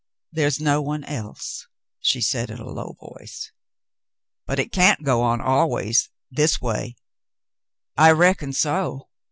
There is no one else," she said in a low voice. "But it can't go on always — this way." " I reckon so.